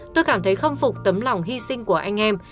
tôi cảm thấy khâm phục tấm lòng hy sinh của anh em